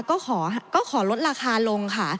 ก็ขอลดราคาลงค่ะ